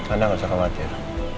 anda tidak perlu khawatir